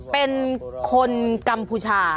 เป็นคนกรรมพุชา